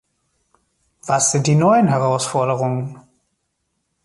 Was sind die neuen Herausforderungen?